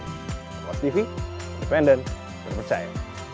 kompastv independen dan percaya